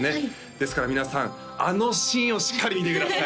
ですから皆さんあのシーンをしっかり見てください！